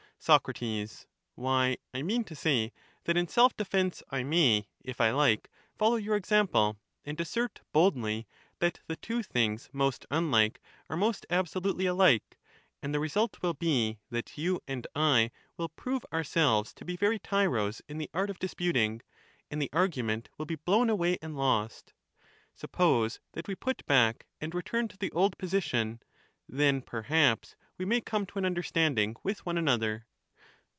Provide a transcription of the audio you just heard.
Soc, Why, I mean to say, that in self defence I may, if I like, follow your example, and assert boldly that tjne^two things ijjpst unlike are most absolutely alike ; and the result wUr be that yoiiand T will prove ourselves to be very tyros in the art of disputing ; and the argument will be blown away and lost. Suppose that we put back, and return to the old position ; then perhaps we may come to an understanding with one another.